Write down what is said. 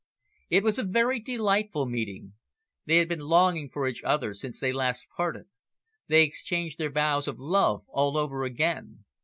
It was a very delightful meeting. They had been longing for each other since they last parted. They exchanged their vows of love all over again.